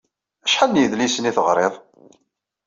Acḥal n yedlisen i teɣṛiḍ?